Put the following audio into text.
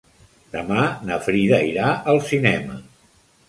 Demà na Frida irà al cinema.